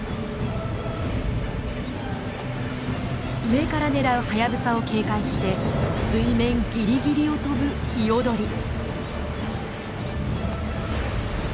上から狙うハヤブサを警戒して水面ギリギリを飛ぶヒヨドリ。